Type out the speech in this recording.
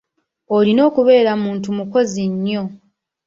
Olina okubeera muntu mukozi nnyo.